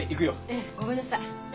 ええごめんなさい。